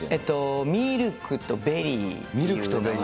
ミルクとベリー。